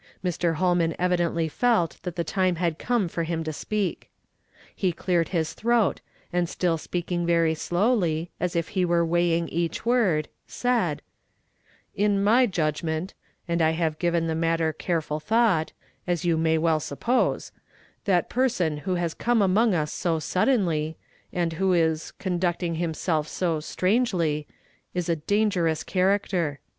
Mr. Hol man evidently felt that the time had come for him to speak. lie cleared his throat, and still speaking very slowly, as if he were weighing each word, said, —" In my judgment, and I have given the matter careful thought, as you may well suppose, that pei son who has come among us so suddenly, and who is conducting himself so strangely, is a dan Sf^rta "THEY OPENED THEIR MOUTH. )» 69 gerous character.